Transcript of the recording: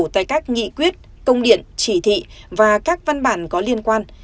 tại các nghị quyết công điện chỉ thị và các văn bản có liên quan